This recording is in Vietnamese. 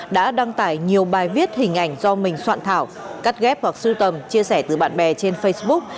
đã đăng tải nhiều bài viết hình ảnh do mình soạn thảo cắt ghép hoặc sưu tầm chia sẻ từ bạn bè trên facebook